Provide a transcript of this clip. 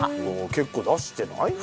結構出してない？